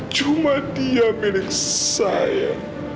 cuma dia milik saya